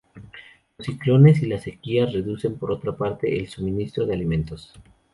Los ciclones y la sequía reducen por otra parte el suministro de alimentos.